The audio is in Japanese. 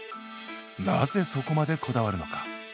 なぜそこまでこだわるのか。